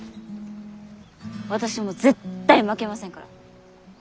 私も絶対負けませんから。